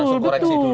langsung koreksi dulu